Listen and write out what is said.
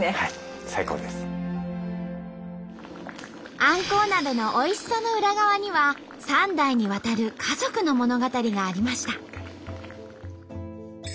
あんこう鍋のおいしさの裏側には３代にわたる家族の物語がありました。